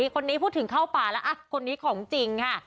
คนนี้พูดถึงเข้าป่าแล้วคนนี้ของจริงค่ะ